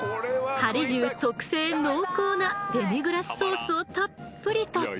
「はり重」特製濃厚なデミグラスソースをたっぷりと。